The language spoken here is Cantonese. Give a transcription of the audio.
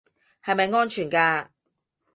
係咪安全㗎